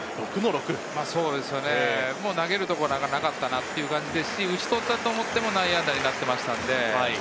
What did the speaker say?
もう投げるところがなかったなという感じですし、打ち取ったと思っても内野安打になっていました。